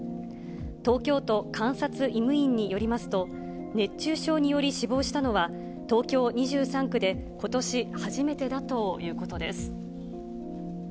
東京都監察医務院によりますと、熱中症により死亡したのは、東京２３区でことし初めてだということです。